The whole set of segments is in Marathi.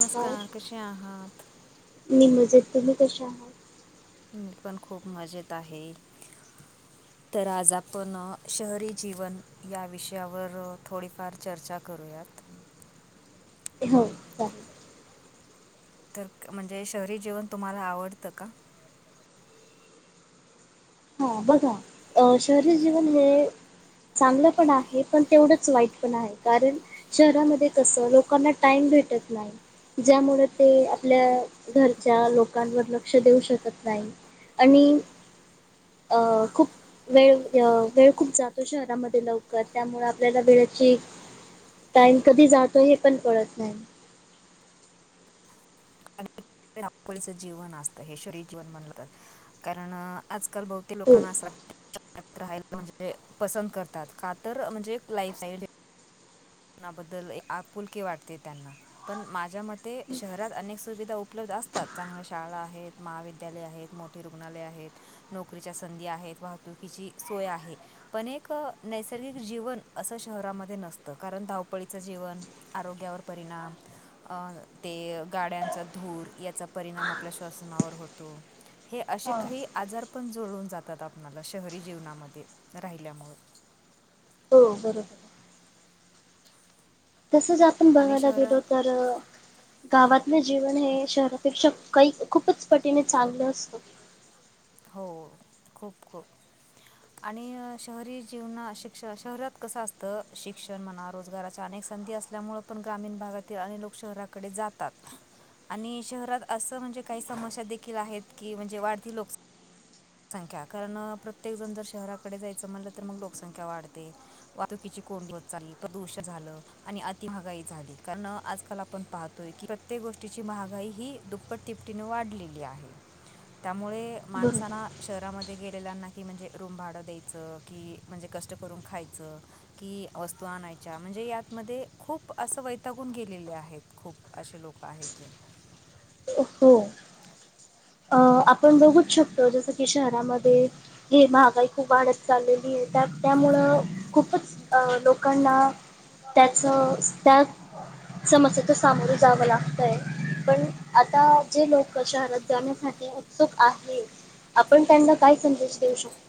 नमस्कार कसे आहात ममजेत तुम्ही कश आहात मी पण खूप मजेत आहे तर आज आपण शहरी जीवन या विषयावर थोडीफार चर्चा करूयात हो चालेल तर म्हणजे शहरी जीवन तुम्हाला आवडतं का हा बघा शहरी जीवन म्ह चांगलं पण आहे पण तेवढंच वाईट पण आहे कारण शहरामध्ये कस लोकांना टाइम भेटत नाही ज्यामुळे ते आपल्या घरच्या लोकांवर लक्ष देऊ शकत नाही आणि खूप वेळ अ वेळ खूप जातो शहरामध्ये लवकर त्यामु आपल्याला वेळेची टाईम कधी जातो हे पण कळत नाही लीच जीवन असतं हे शरी जीवन म्हण कारण आजकाल ब हो लोकांना अस राहाला म्हणजे पस करतात काात म्हणजे एक लाईफाईल नाबद्दल आपुलके वाटते त्यांना पण माझ्या मते शहरात अनेक सुविधा उपलब्ध असतात चांगल्या शाळा आहेत महाविद्यालय आहेत मोठे रुग्णालय आहेत नोकरीच्या संधी आहेत वाहतुकीची सोय आहे पण एक नैसर्गिक जीवन असं शहरामध्ये नसतं. कारण धावपळीचं जीवन आरोग्यावर परिणाम. अं ते गाड्यांचा धूर याचा परिणाम आपल्या श्वसनावर होतो हे असे हा काही आजार पण जुळून जातात आपणाला शहरी जीवनामध्ये राहिल्यामुळं. हो बरोबर. तसच आपण आणि बघायला गेलो शहरात तर गावातलं जीवन हे शहरापेक्षा काही खूपच पटीने चांगलं असतं हो खूप खूप आणि शहरी जीवना शिक्ष शहरात कसं असतं शिक्षण म्हणा रोजगाराच्या अनेक संधी असल्यामुं पण ग्रामीण भागातील आणिने लोक शहराकडे जातात. आणि शहरात असं म्हणजे काही समस्या देखील आहेत की म्हणजे वाढती लोकसा लोकसंख्या कारण प्रत्येक जण जर शहराकडे जायचं म्हटलं तर मग लोकसंख्या वाढते वाहतुकीची कोंडी होत चाली प्रदूषण झालं आणि अति महागाई झाली कारण आजकाल आपण पाहतोय कि प्रत्येक गोष्टीची महागाई ही दुप्पट तिपटीने वाढलेली आहे त्यामुळे. बरोबर. माणसानां शहरामध्ये गेलेल्यांना की म्हणजे रूम भाडं द्यायचं की म्हणजे कष्ट करून खायचं की वस्तू आणायच्या म्हणजे यातमध्ये खूप असं वैतागून गेलेले आहेत खूप असे लोक. पाहिचेे. हो. अ आपण बघूच शकतो जसं की शहरामध्ये हे महागाई खूप वाढत चालेल. की त्या त्यामुळं खूपच लोकांना त्याच त्या समस्याच सामोरे जावं ला पण आता जे लोक शहरात जाण्यासाठी त्क आहे आपण त्यांना काय संदेश देऊ शकतो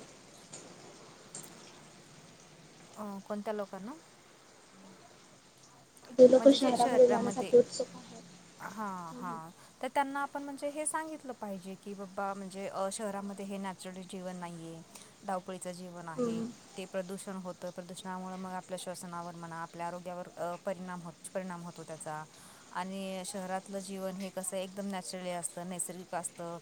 कोणत्या लोकांना? जे लोक शहरामध्ये जाण्यासाठी उत्सुक आहेत हा हा तर त्यांना आपण म्हणजे हे सांगितलं पाहिजे की बाबा म्हणजे शहरामध्ये हे ना जीवन नाहीये धावपळीचं जीवन आहे हम्म. ते प्रदूषण होतं प्रदूषणामुळं मग आपल्या श्वसनावर म्हणा आपल्या आरोग्यावर परिणाम हो परिणाम होतो त्याचा आणि शहरातलं जीवन हे कसं एकदम नॅचरली असतं नैसर्गिक असतं.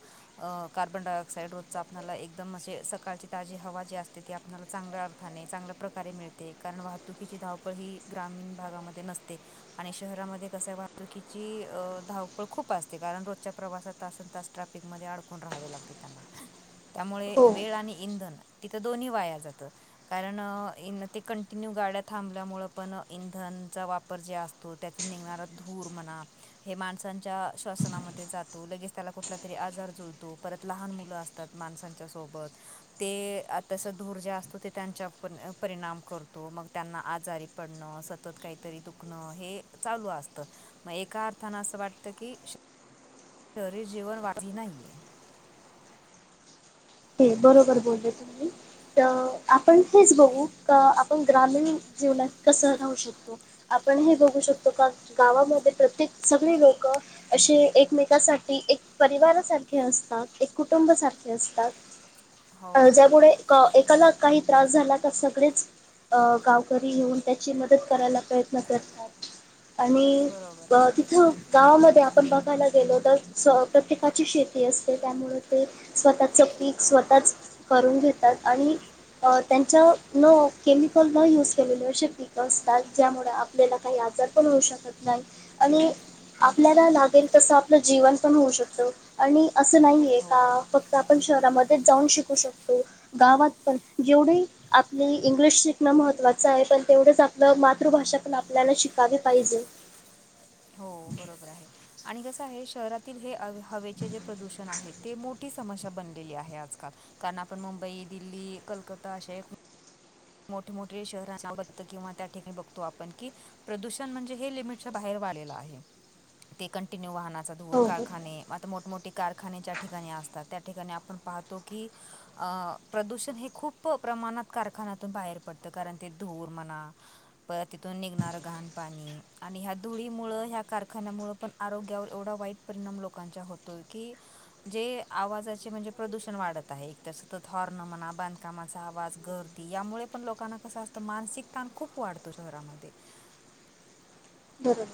कार्बन डाय ऑक्साइड रोजचा आपल्याला एकदम असे सकाळची ताजी हवा जी असते ती आपल्याला चांगल्या थाने चांगल्या प्रकारे मिळते कारण वाहतुकीची धावपळ ही ग्रामीण भागामध्ये नसते. आणि शहरामध्ये कस वाहतुकीची धावपळ खूप असते कारण रोजच्या प्रवासात तासन त ट्रॅफिक म अडकून राहावे लागते त्यांना त्यामुळे हो वेळ आणि इंधन तिथं दोन्ही वाया जातं. कारण ते कंटिन्यू गाड्या थांबल्यामुळं पण इंधन. चा वापर जे असतो त्याचा निघणारा धूर म्हणा. हे माणसांच्या श्वसनामध्ये जातो लगेच त्याला कुठला तरी आजार जुळतो परत लहान मुलं असत. माणसच्या सोबत ते तस धूर जे असतो ते त्यांच्या परिणाम करतो मग त्यांना आजारी पडणं सतत काही. तरी दुखणं हे चालू असतं मग एका अर्थाने असं वाटतं की शहरी जेवण वाटी [unintelligible] नाहीये. हे बरोबर बोलले तुम्ही. तर आपण हेच बघू का आपण ग्रामीण जीवनात कसं राधाहू शकतो आपण हे बघू शकतो का गावामध्ये प्रत्येक सगळे लोक. असे एकमेकासाठी एक परिवारासारखे असतात एक कुटुंब सारखे असतात. हो अ ज्यामुळे एक एकाला काही त्रास झाला तर सगळेच अ गावकरी येेऊन त्याची मदत करायला प्रयत्न करतात आणि बरोबर ब आहे तिथ गावामध्ये आपण बघायला गेलो तर, स प्रत्येकाची शेती असते त्यामुळे ते स्वतःच पीक, स्वतःच करून घेतात आणि अ त्यांच्या न केमिकल न युज केलेले शेती पीक असतात, ज्यामुळे आपल्याला काही आजार पण होऊ शकत नाही आणि आपल्याला बरोबर आहे लागेल तसं आपलं जीवन पण होऊ शकतं. आणि असं नाहीये हो का, फक्त आपण शहरामध्येच जाऊन शिकू शकतो. गावात पण, जेवढेही आपल इंग्लिश शिकणं महत्त्वाचं ये पण तेवढंच आपलं मातृभाषा पण आपल्याला शिक यले पाहिजे. हो बरोबर आहे आणि कसं आहे शहरातील हे हव-हवेचे जे प्रदूषण आहेत. ते मोठी समस्या बनलेली आहे आजकाल, कारण आपण मुंबई, दिल्ली, कलकत्ता अशे मोठ मोठे शहरां ना बघत किंवा त्या ठिकाणी बघतो आपण की. प्रदूषण म्हणजे हे लिमिटच्या बाहेर वाढलेलं आहे, ते कंटिन्यू वाहनाचा धूर, हो बरोबर कारखाने आता मोठमोठे कारखाने ज्या ठिकाणी असतात, त्या ठिकाणी आपण पाहतो की अ प्रदूषण हे खूप प्रमाणात कारखानात तुन बाहेर पडतं कारण ते धूर म्हणा पर तिथून निघणारं घाण पाणी आणि ह्या धुळी मुळ ह्या कारखान्या मूळ पण आरोग्यावर एवढा वाईट परिणाम लोकांच्या होतोय, की जे आवाजाचे म्हणजे प्रदूषण वाढत आहे, एक सतत हॉर्न म्हणा, बांधकामाचा आवाज गर यामुळे पण लोकांना कसं असतं मानसिक ताण खूप वाढतो शहरामध्ये बरोबर.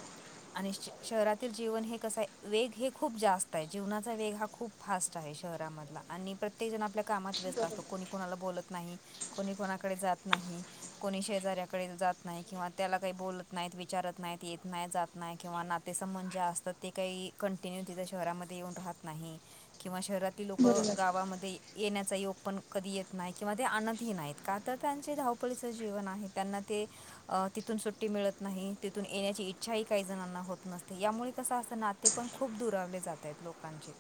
आणि श-शहरातील जीवन हे कसं आहे, वेग हे खूप जास्त आहे जीवनाचा वेग हा खूप फास्ट आहे शहरामधला आणि प्रत्येक जण आपल्या कामात व्यस्त बरोबर असतो, कोणी-कोणाला बोलत नाही. कोणी कोणाकडे जात नाही. कोणी शेजऱ्याकडे जात नाही किंवा त्याला काही बोलत नाहीत, विचारत नाहीत, येत नाही, जात नाही किंवा नातेसंबंद जे असतात, ते काही कंटिन्यू तिथं शहरामध्ये येऊन राहत नाही. किंवा शहरातील लोक बरोबर गावामध्ये येण्याचा योग पण कधी येत नाही किंवा ते आणतही नाहीत का तर त्यांचे धावपळीचं जीवन आहे, त्यांना ते अ तिथून सुट्टी मिळत नाही, तिथून येण्याची इच्छा ही काही जणांना होत नसते, यामुळे कसं असंत, नाते पण खूप दुरावले जातायत लोकांचे.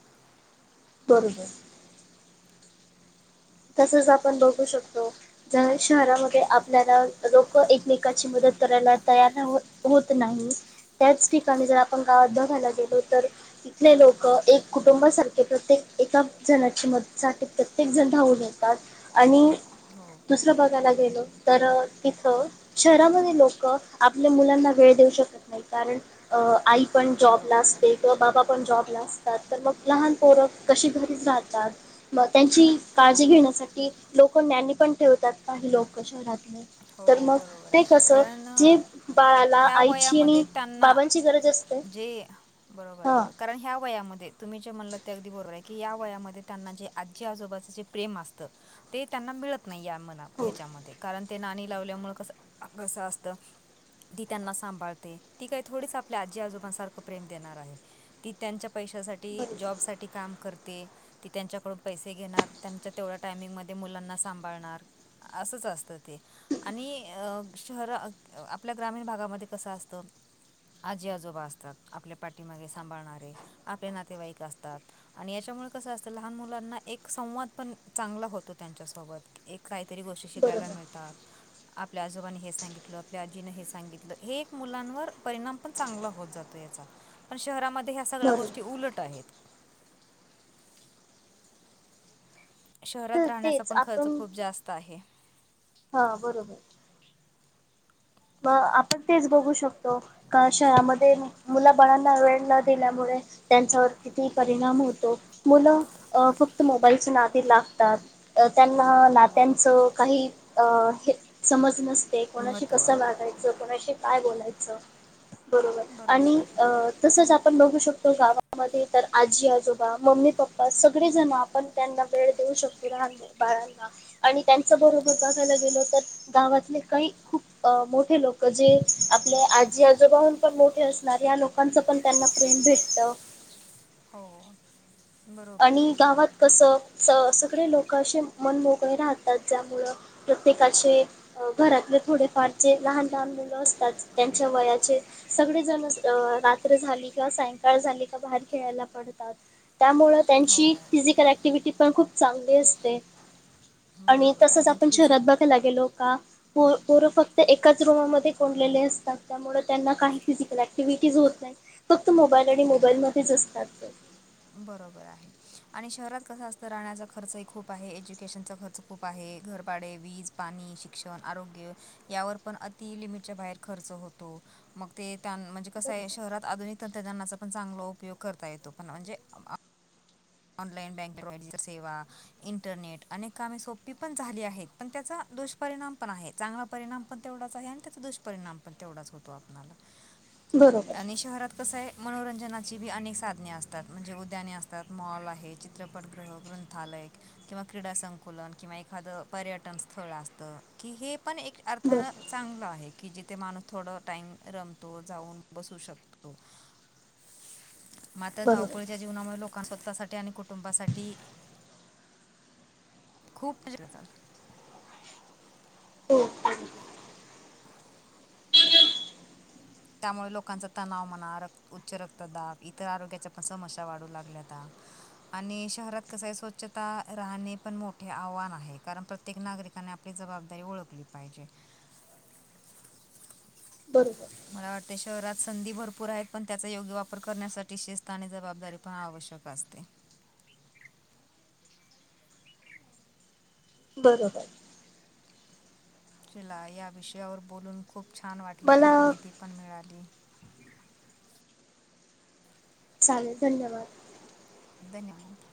बरोबर. तसच आपण बघू शकतो. जर शहरामध्ये आपल्याला लोकं एकमेकाची मदत करायला तयार ना हॊ-होत नाही. त्याच ठिकाणी जर आपण गावात बघायला गेलो तर तिथले लोकं एक कुटुंबासारखे, प्रत्येक एका जणाची मदत [inaudible] साठी प्रत्येक जण धावून येतात आणि हो. दुसरं बघायला गेलो, तर तिथं शहरामध्ये लोकं आपल्या मुलांना वेळ देऊ शकत नही, कारण अ-आई पण जॉबला बरोबर असते आहे किंवा बाबा पण जॉबला असतात, तर मग लहान पोर कशी घरीच राहतात मग त्यांची हो काळजी घेण्यासाठी लोकं नानी पण ठेवतात, काही लोकं शहरातले. तर हो मग, बरोबर ते आहे कस कारण अ, जे बाळाला ह्या आईची वयामध्ये आणि त्यांना बाबांची गरज असत जे बरोबर ये बरोबर कारण ह्या वयामध्ये तुम्ही जे म्हणलं ते अगदी बरोबर आहे. की या वयामध्ये त्यांना जे आजी आजोबाचं जे प्रेम असतं. ते त्यांना मिळत नाही. हो याच्यामध्ये कारण ते नाणी लावल्यामुळे कस कसं असत! ती त्यांना सांभाळते. ती काही थोडीच आपल्या आजी आजोबा सारखं प्रेम देणार आहे. ती त्यांच्या पैशासाठी बरोबर जॉबसाठी काम करते ते कि त्यांच्याकडून पैसे घेणार त्यांच्यात तेवढ्या टाइमिंग मध्ये मुलांना सांभाळणार असंच असतं! ते आणि ह शहर आपल्या ग्रामीण भागामध्ये कसं असतं! आजी आजोबा असतात. आपल्या पाठीमागे सांभाळणारे आपले नातेवाईक असतात. आणि याच्यामुळे कसं असतं. लहान मुलांना एक संवाद पण चांगला होतो. त्यांच्यासोबत एक काहीतरी गोष्टी शिकायला बरोबर मिळतात. आपल्या आजोबांनी हे सांगितलं. आपल्या आजीने हे सांगितलं. हे एक मुलांवर परिणाम पण चांगला होत जातो. याचा पण शहरामध्ये या सगळ्या बरोबर गोष्टी उलट आहेत. शहरात तर राहण्याचा तेच पण खर्च आपण खूप जास्त आहे. हा बरोबर मग! आपण तेच बघू शकतो. का शहरामध्ये मुलबाळांना वेळन दिल्यामुळे त्यांचवर किती परिणाम होतो. मुलं अं फक्त मोबाईलच्या नादी लागतात. त्यांना बरोबर नात्याचं आहे काही हे समज नसते. कोणाशी महत्त्व कोणाशी कसं बोलायचं काय बोलायचं बरोबर आणि तसंच आपण बघू शकतो. गावामध्ये तर आजी आजोबा मम्मी पप्पा सगळेजण आपण त्यांना वेळ देऊ शकतो. लहान बाळांना आणि त्यांच बरोबर बघायला गेलो. तर गावातले काही खूप अ मोठे लोक जे आपल्या आजी आजोबाहून पण पण मोठे असणार या लोकांच पण त्यांना प्रेम भेटत. हो बरोबर आणि आहे गावात कसं! सगळे लोक असे मन मोकळे राहात त्यामुळे प्रत्येकाचे घरातले थोडे फारचे लहान लहान मुलं असतात. त्यांच्या वयाचे सगळे जण अ रात्र झाली. का सायंकाळ झाली. का बाहेर खेळायला पडतात. त्यामुळ हो त्यांची फिजिकल ऍक्टिव्हटी पण खूप चांगली असते. आणि बरोबर तसचं आहे आणि आपण शहरात फिजिक बघायला गेलो का! पोर फक्त एकाच रूमामध्ये कोंडलेले असतात. त्यामुळे त्यांना काही फिजिकल ऍक्टिव्हटी होत नाही फक्त मोबाईल आणि मोबाईल हो मध्येच असतात. ते बरोबर आहे. आणि शहरात कसं असतं. राहण्याचा खर्चही खूप आहे. एज्युकेशनचा खर्च खूप आहे. घरपाडे, वीज पाणी, शिक्षण, आरोग्य यावर पण अति लिमिटच्या बाहेर खर्च होतो. मग ते म्हणजे कसं आहे. बरोबर शहरात आधुनिक तंत्रज्ञानाचा पण चांगला उपयोग करता येतो. पण म्हणजे ऑलाईन बँकिंग, डजिटल सेवा इंटरनेट अनेक कामे सोपी पण झाली आहेत. पण त्याचा दुष्परिणाम पण आहेत. चांगला परिणाम पण तेवढाच आहे. आणि त्याचा दुष्परिणाम पण तेवढाच होतो. आपणाला बरोबर आणि शहरात कसं आहे. मनोरंजनाची बी अनेक साधने असतात म्हणजे उद्याने असतात. मॉल आहे चित्रपट गृह, ग्रंथालय, किंवा क्रीडा संकुलन किंवा एखादं पर्यटन स्थळ असत. कि हे पण एक बर अर्थानं चांगलं आहे. की जिथ माणूस थोड टाईम रमतो. जाऊन बसू शकतो. म आता बरोबर धावपळीच्या जीवनामुळे लोक लोकां स्वतःसाठी आणि कुटुंबासाठी खूप [unintelligible] हो का? [inaudible] त्यामुळे लोकांचा तणाव मणा रक्त उच्च रक्तदाब इतर आरोग्याच्या पण समस्या वाढू लागल्याता. आणि शहरात कसय स्वच्छता राहणे पण मोठे आव्हान आहे कारण प्रत् त्येक नागरिकाने आपली जबाबदारी ओळखली पाहिजे. बरोबर. मला वाटतं शहरात संधी भरपूर आहेत पण त्याचा योग्य वापर करण्यासाठी शिस्त आणि जबाबदारी पण आवश्यक वास्ते बरोबर. चिला या विषयावर बोलून खूप छान वाटलं मला खूप माहिती पण मिळाली. चालेल धन्यवाद. धन्यवाद.